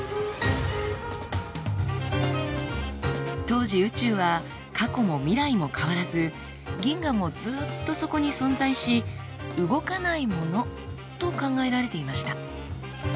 当時宇宙は過去も未来も変わらず銀河もずっとそこに存在し動かないものと考えられていました。